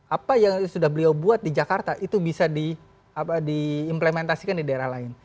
apa yang sudah beliau buat di jakarta itu bisa diimplementasikan di daerah lain